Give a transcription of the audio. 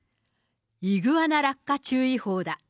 イグアナ落下注意報だ。